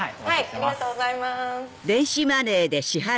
ありがとうございます。